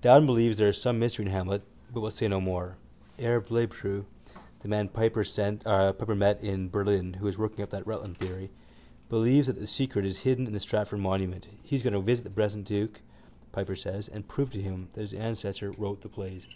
Dowden believes there is some mystery in Hamlet but will say no more. Herr Bleibtreu, the man Piper met in Berlin, who is working up that Rutland theory, believes that the secret is hidden in the Stratford monument. He is going to visit the present duke, Piper says, and prove to him that his ancestor wrote the plays.